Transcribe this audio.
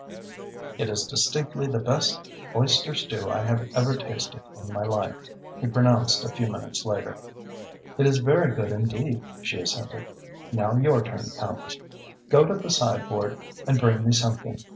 "It is distinctly the best oyster stew I have ever tasted in my life," he pronounced a few minutes later. "It is very good indeed," she assented. "Now your turn comes. Go to the sideboard and bring me something.